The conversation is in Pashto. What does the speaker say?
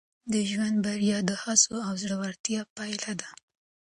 د ژوند بریا د هڅو او زړورتیا پایله ده.